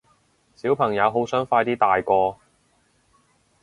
小朋友好想快啲大個